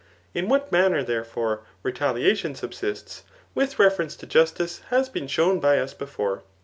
In what manner, thef^fore, retaliation subsists, with reference to justice^ has been shown by us before.